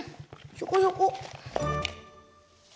ひょこひょこ。